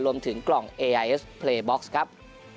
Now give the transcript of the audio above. รวมถึงกล่องเอไอเอสเพลย์บ็อกซ์ครับ